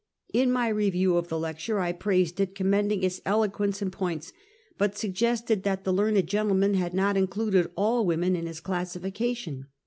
In my review of the lecture, I praised it, commend ed its eloquence and points, but suggested that the learned gentleman had not included all w^omen in his classification.